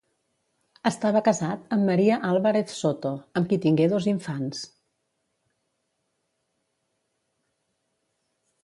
Estava casat amb María Álvarez Soto, amb qui tingué dos infants.